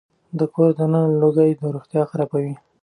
د کور دننه لوګي روغتيا خرابوي.